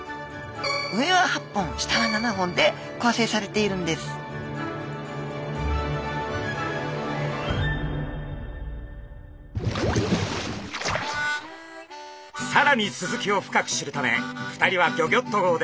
上は８本下は７本で構成されているんですさらにスズキを深く知るため２人はギョギョッと号で次なる目的地へ。